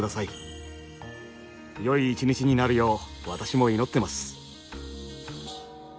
よい一日になるよう私も祈ってます。